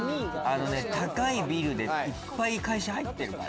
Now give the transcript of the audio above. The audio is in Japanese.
高いビルでいっぱい会社入ってるから。